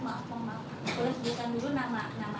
bukalanya yang tergolong di sekolah juga